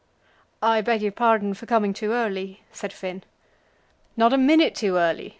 "I beg your pardon for coming too early," said Finn. "Not a minute too early.